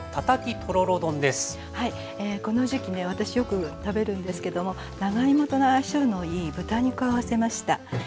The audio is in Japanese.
はいこの時期ね私よく食べるんですけども長芋との相性のいい豚肉を合わせました。